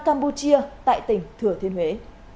campuchia tại tỉnh thừa thiên huế